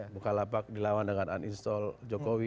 bukalapak dilawan dengan uninstalll jokowi